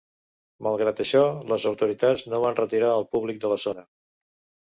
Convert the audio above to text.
Malgrat això, les autoritats no van retirar el públic de la zona.